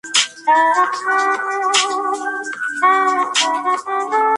En la actualidad, el partido es liderado por Guillermo Nguema Ela.